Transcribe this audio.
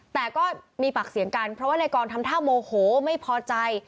แต่ก็มีปากเสียงกันเพราะว่านายกรทำท่าโมโหไม่พอใจ